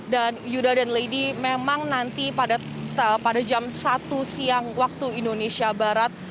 dan yuda dan lady memang nanti pada jam satu siang waktu indonesia barat